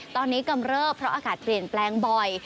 ตอนนี้กำเริบเพราะอากาศเปลี่ยนแปลงบ่อย